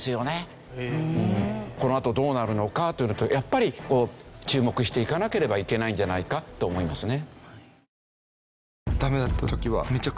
このあとどうなるのか？というのをやっぱり注目していかなければいけないんじゃないかと思いますね。